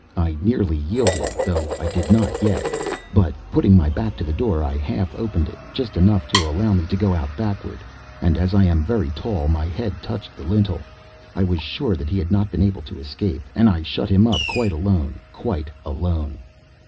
I nearly yielded, though I did not yet, but putting my back to the door I half opened it, just enough to allow me to go out backward, and as I am very tall, my head touched the lintel. I was sure that he had not been able to escape, and I shut him up quite alone, quite alone.